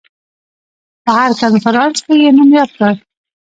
په هر کنفرانس کې یې نوم یاد کړ.